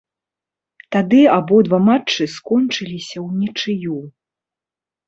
Тады абодва матчы скончыліся ўнічыю.